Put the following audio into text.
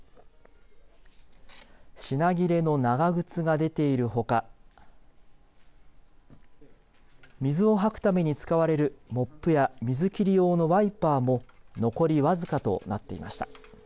品切れの長靴が出ているほか水を掃くために使われるモップや水切り用のワイパーも残り僅かとなっていました。